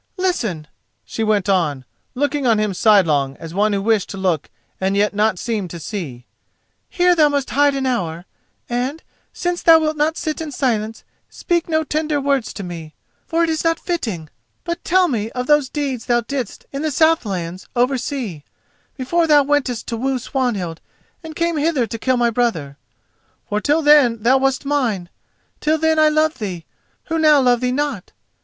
Listen!" she went on, looking on him sidelong, as one who wished to look and yet not seem to see: "here thou must hide an hour, and, since thou wilt not sit in silence, speak no tender words to me, for it is not fitting; but tell me of those deeds thou didst in the south lands over sea, before thou wentest to woo Swanhild and camest hither to kill my brother. For till then thou wast mine—till then I loved thee—who now love thee not.